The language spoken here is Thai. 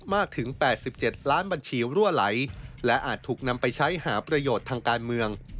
ถึง๘๗ล้านบัญชีรั่วไหลและอาจถูกนำไปใช้หาประโยชน์ทางการเมือง